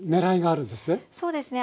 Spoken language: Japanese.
そうですね